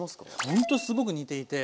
ほんとすごく似ていて。